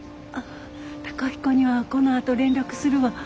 貴彦にはこのあと連絡するわ。